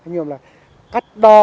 nhưng mà là cách đo